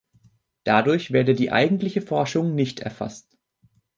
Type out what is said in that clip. Dadurch werde die eigentliche Forschung nicht erfasst.